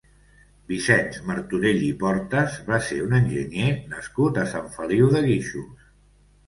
Vicenç Martorell i Portas va ser un enginyer nascut a Sant Feliu de Guíxols.